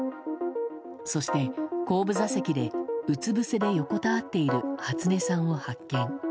そして後部座席でうつぶせで横たわっている初音さんを発見。